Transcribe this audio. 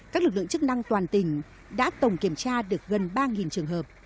các lực lượng chức năng toàn tỉnh đã tổng kiểm tra được gần ba trường hợp